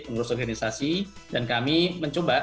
mengurus organisasi dan kami mencoba